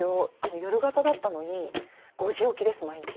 夜型だったのに５時起きです毎日。